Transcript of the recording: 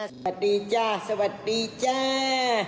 สวัสดีจ้าสวัสดีจ้า